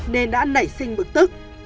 nên đã nảy sinh bực tức